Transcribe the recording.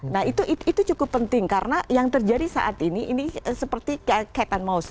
nah itu cukup penting karena yang terjadi saat ini seperti cat and mouse